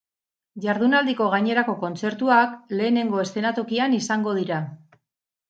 Jardunaldiko gainerako kontzertuak lehenengo eszenatokian izango dira.